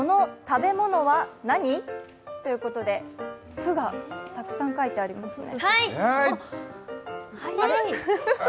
「フ」がたくさん書いてありますね。